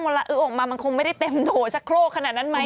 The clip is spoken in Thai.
ละอื้อออกมามันคงไม่ได้เต็มโถชะโครกขนาดนั้นไหม